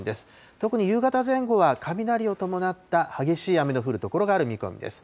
特に夕方前後は雷を伴った激しい雨の降る所がある見込みです。